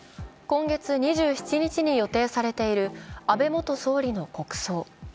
今月２７日に予定されている安倍元総理の国葬。